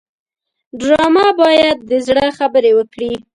ډرامه باید د زړه خبرې وکړي